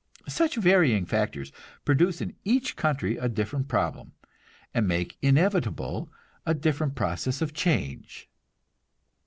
Such varying factors produce in each country a different problem, and make inevitable a different process of change.